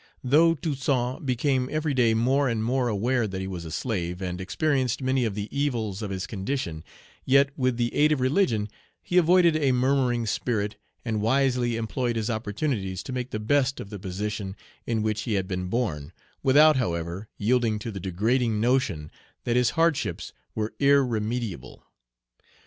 Though Toussaint became every day more and more aware that he was a slave, and experienced many of the evils of his condition, yet, with the aid of religion, he avoided a murmuring spirit, and wisely employed his opportunities to make the best of the position in which he had been born, without, however, yielding to the degrading notion that his hardships were irremediable.